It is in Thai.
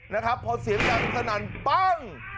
นะครับพอเสียงดังขนาดนั้นปั๊ง